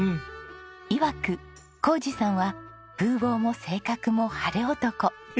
いわく宏二さんは風貌も性格もハレオトコ。